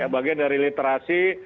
bagian dari literasi